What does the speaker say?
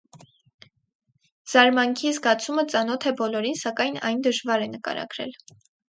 Զարմանքի զգացումը ծանոթ է բոլորին, սակայն այն դժվար է նկարագրել։